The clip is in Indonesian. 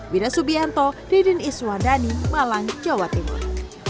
wira subianto didin iswa dhani malang jawa timur